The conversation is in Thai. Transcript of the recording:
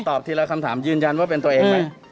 ทีละคำถามยืนยันว่าเป็นตัวเองไหม